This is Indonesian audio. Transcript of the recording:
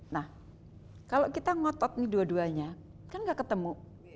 nah kalau kita ngotot nih dua duanya kan gak ketemu